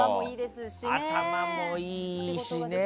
頭もいいしね。